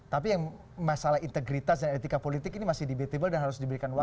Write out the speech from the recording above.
tapi yang masalah integritas dan etika politik ini masih debatable dan harus diberikan waktu